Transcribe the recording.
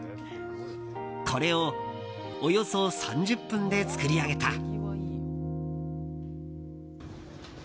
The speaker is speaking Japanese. これをおよそ３０分で作り上げた。